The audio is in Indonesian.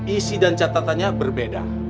isi dan catatannya berbeda